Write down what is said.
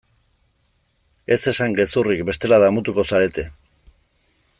Ez esan gezurrik bestela damutuko zarete.